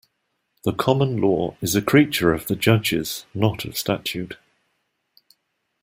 The common law is a creature of the judges, not of statute.